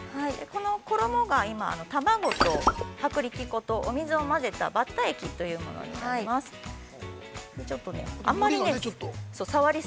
衣が、今、卵と薄力粉とお水を混ぜたバッタ液というものになります。